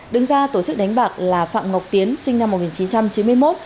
đứng ra tổ chức đánh bạc là phạm ngọc tiến sinh năm một nghìn chín trăm chín mươi một